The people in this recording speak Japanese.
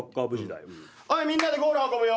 おいみんなでゴール運ぶよ。